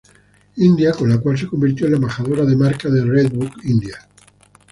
India, con lo cual se convirtió la embajadora de marca de Reebok India.